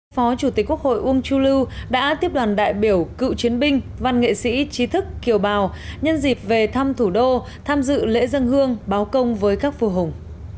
phó chủ tịch quốc hội uông chu lưu đã tiếp đoàn đại biểu cựu chiến binh văn nghệ sĩ trí thức kiều bào nhân dịp về thăm thủ đô tham dự lễ dân hương báo công với các phù hùng